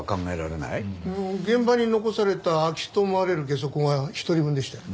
現場に残された空き巣と思われるゲソ痕は１人分でしたよ。